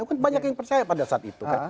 kan banyak yang percaya pada saat itu kan